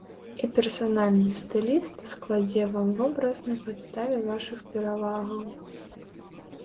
І персанальны стыліст складзе вам вобраз на падставе вашых перавагаў.